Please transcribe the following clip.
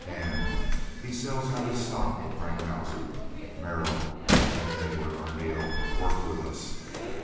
Hant—he sells out his stock to Frankhauser. Merrill unt Edward Arneel vork vit us.